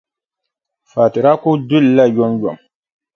Fati daa kuli du li la yomyom.